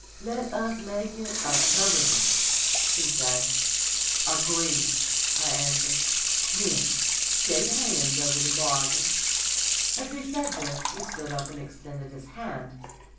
"Let us make it a covenant," he said. "Agreed!" I answered. "Then shake hands over the bargain." As he said this he stood up and extended his hand.